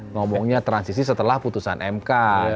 ngomongnya transisi setelah putusan mk